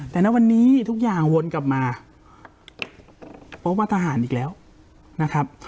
แต่ณวันนี้ทุกอย่างวนกลับมาพบว่าทหารอีกแล้วนะครับ